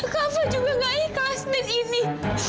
kak fadil juga gak ikhlas dengan ini